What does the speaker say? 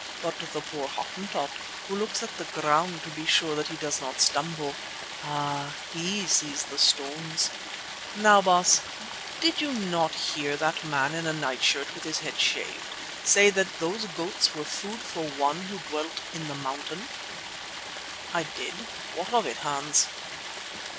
But the poor Hottentot, who looks at the ground to be sure that he does not stumble, ah! he sees the stones. Now, Baas, did you not hear that man in a night shirt with his head shaved say that those goats were food for One who dwelt in the mountain?" "I did. What of it, Hans?"